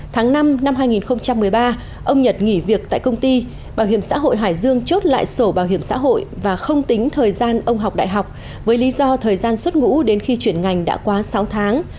tháng năm năm hai nghìn một mươi ba ông nhật nghỉ việc tại công ty bảo hiểm xã hội hải dương chốt lại sổ bảo hiểm xã hội và không tính thời gian ông học đại học với lý do thời gian xuất ngũ đến khi chuyển ngành đã quá sáu tháng